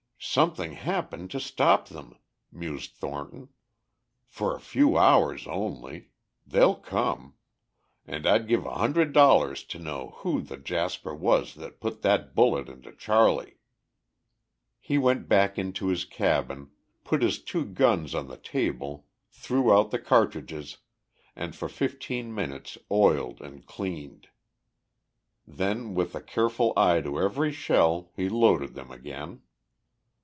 "Something happened to stop them," mused Thornton. "For a few hours only. They'll come. And I'd give a hundred dollars to know who the jasper was that put that bullet into Charley." He went back into his cabin, put his two guns on the table, threw out the cartridges, and for fifteen minutes oiled and cleaned. Then, with a careful eye to every shell, he loaded them again.